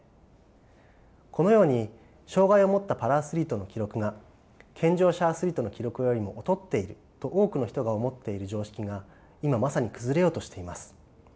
このように障害を持ったパラアスリートの記録が健常者アスリートの記録よりも劣っていると多くの人が思っている常識が今まさに崩れようとしています。